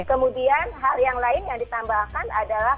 kemudian hal yang lain yang ditambahkan adalah